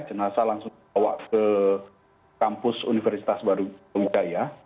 jenazah langsung dibawa ke kampus universitas baru wijaya